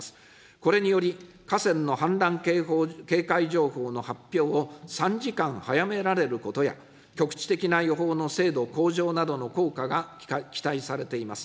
これにより、河川の氾濫警戒情報の発表を３時間早められることや、局地的な予報の精度向上などの効果が期待されています。